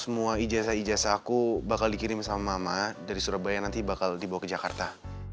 semua ijazah ijazah aku bakal dikirim sama mama dari surabaya nanti bakal dibawa ke jakarta